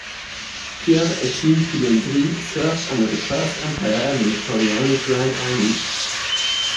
Pierre-Étienne Poux-Landry served under the First Empire in the Napoleonic Grand Army.